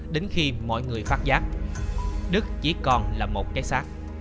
đến khi mọi người phát giác đức chỉ còn là một cái xác